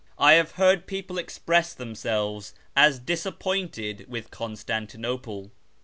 I have heard people express themselves as disappointed with Constantinople.